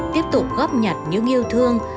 tiếp tục góp nhặt những yêu thương